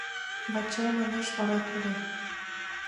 — Вачай, — манеш вара тудо.